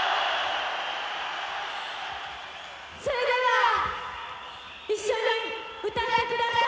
それでは一緒に歌って下さい！